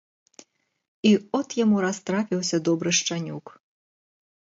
І от яму раз трапіўся добры шчанюк.